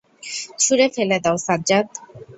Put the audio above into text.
ছুড়ি ফেলে দাও, সাজ্জাদ!